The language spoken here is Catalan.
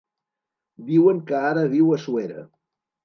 Diuen que ara viu a Suera.